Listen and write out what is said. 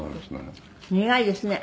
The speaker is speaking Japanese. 苦いですね。